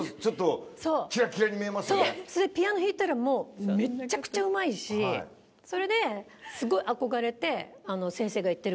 それでピアノ弾いたらもうめちゃくちゃうまいしそれですごい憧れて。